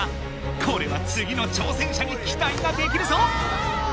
これはつぎの挑戦者にきたいができるぞ！